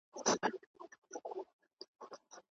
افغان لیکوالان د وینا بشپړه ازادي نه لري.